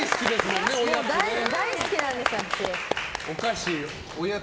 大好きなんです、私。